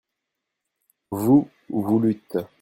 vous, vous lûtes.